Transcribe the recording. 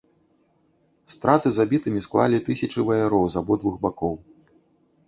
Страты забітымі склалі тысячы ваяроў з абодвух бакоў.